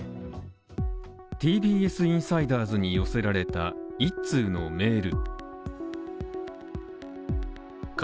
ＴＢＳインサイダーズに寄せられた一通のメール。